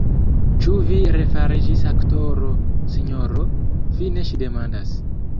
Ĉu vi refariĝis aktoro, sinjoro?fine ŝi demandas.